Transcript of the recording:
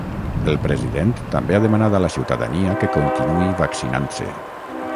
El president també ha demanat a la ciutadania que continuï vaccinant-se.